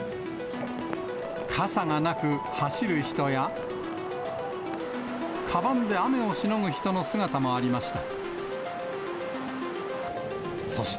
傘がなく、走る人や、かばんで雨をしのぐ人の姿もありました。